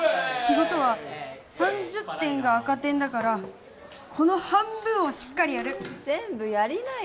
ことは３０点が赤点だからこの半分をしっかりやる全部やりなよ